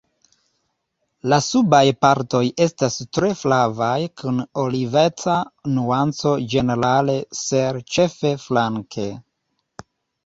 La subaj partoj estas tre flavaj kun oliveca nuanco ĝenerale ser ĉefe flanke.